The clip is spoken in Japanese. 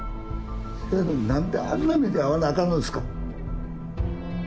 せやのに何であんな目に遭わなアカンのですか。